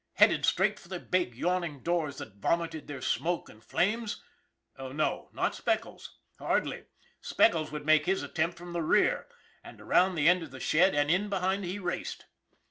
Headed straight for the big, yawning doors that vomited their smoke and flames? Oh, no, not Speckles! Hardly! Speckles would make his attempt from the rear! And around the end of the shed and in behind he raced.